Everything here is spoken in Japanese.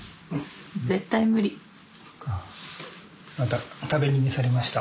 また食べ逃げされました。